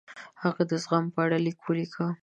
هغه د زغم په اړه لیک ولیکه.